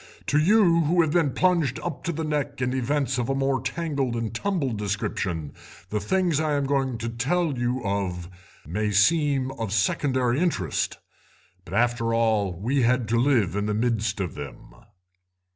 To you, who have been plunged up to the neck in events of a more tangled and tumbled description, the things I am going to tell you of may seem of secondary interest, but after all we had to live in the midst of them."